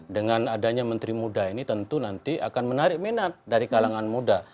dengan adanya menteri muda ini tentu nanti akan menarik minat dari kalangan muda